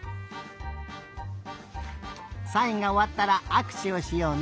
サインがおわったらあくしゅをしようね。